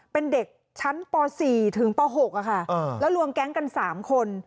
เป็นเด็กชั้นป๔ถึงป๖ค่ะแล้วรวมแก๊งกัน๓คน